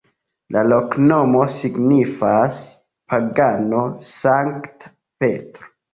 La loknomo signifas: pagano-Sankta Petro.